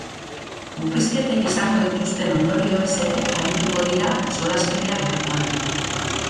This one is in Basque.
Murrizketek izango dituzten ondorioez ere arituko dira solaskideak bertan.